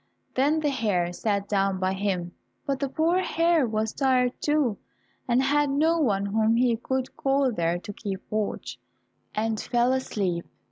Then the hare sat down by him, but the poor hare was tired too, and had no one whom he could call there to keep watch, and fell asleep.